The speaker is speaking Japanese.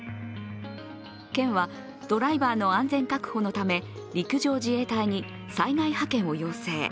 県はドライバーの安全確保のため陸上自衛隊に災害派遣を要請。